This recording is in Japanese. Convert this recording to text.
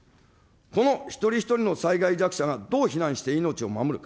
この一人一人の災害弱者がどう避難して命を守るか。